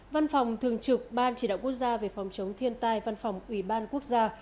văn phòng thường trực ban chỉ đạo quốc gia về phòng chống thiên tai văn phòng ủy ban quốc gia